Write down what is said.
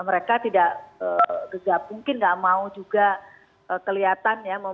mereka tidak gegap mungkin nggak mau juga kelihatan ya